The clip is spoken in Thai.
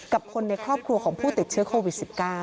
กับคนในครอบครัวของผู้ติดเชื้อโควิด๑๙